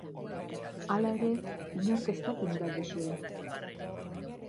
Hala ere, inork ez daki nora jo zuen.